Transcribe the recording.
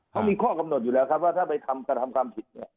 เขามีข้อกำหนดอยู่แล้วครับว่าถ้าไปทำกระทำความผิดเนี่ย